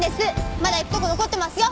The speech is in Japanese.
まだ行くとこ残ってますよ！